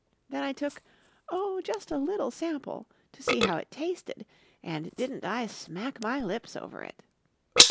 Then I took, oh, just a little sample, to see how it tasted, and didn't I smack my lips over it.